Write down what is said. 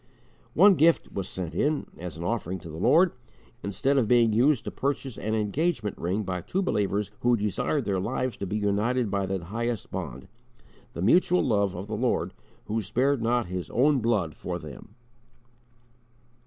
One gift was sent in, as an offering to the Lord, instead of being used to purchase an engagement ring by two believers who desired their lives to be united by that highest bond, the mutual love of the Lord who spared not His own blood for them.